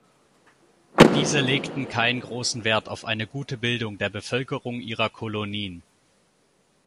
Diese legten keinen großen Wert auf eine gute Bildung der Bevölkerung ihrer Kolonien.